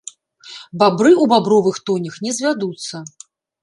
Бабры ў бабровых тонях не звядуцца!